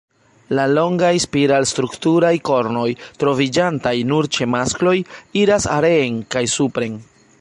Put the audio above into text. La longaj, spiral-strukturaj kornoj, troviĝantaj nur ĉe maskloj, iras reen kaj supren.